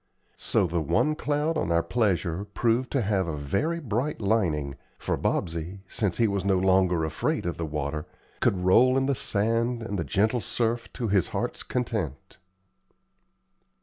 So the one cloud on our pleasure proved to have a very bright lining, for Bobsey, since he was no longer afraid of the water, could roll in the sand and the gentle surf to his heart's content.